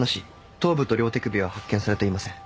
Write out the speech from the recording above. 頭部と両手首は発見されていません。